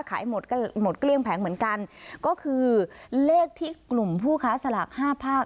หมดก็หมดเกลี้ยงแผงเหมือนกันก็คือเลขที่กลุ่มผู้ค้าสลากห้าภาค